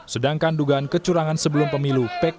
sedangkan dugaan kecurangan sebelum pemilu pkb tetap berjudi